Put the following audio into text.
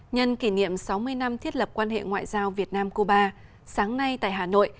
nhân kỷ niệm sáu mươi năm thiết lập quan hệ ngoại giao việt nam cuba sáng nay tại hà nội